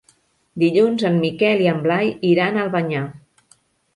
Dilluns en Miquel i en Blai iran a Albanyà.